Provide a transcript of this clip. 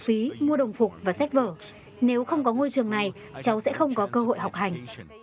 cháu không có phí mua đồng phục và sách vở nếu không có ngôi trường này cháu sẽ không có cơ hội học hành